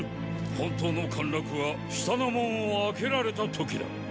本当の陥落は下の門を開けられた時だ。